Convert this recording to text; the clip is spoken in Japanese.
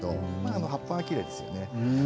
葉っぱがきれいですよね